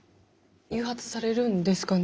誘発されるんですかね？